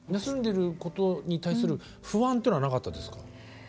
休んでることに対する不安というのはなかったですか？